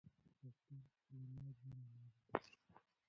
د تل کلمه دوه ماناوې لري.